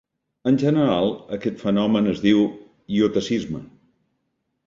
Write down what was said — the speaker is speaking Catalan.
En general, aquest fenomen es diu iotacisme.